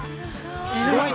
すごいね。